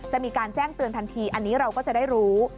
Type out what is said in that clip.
จะมีการแจ้งเตือนทันทีอันนี้เราก็จะได้รู้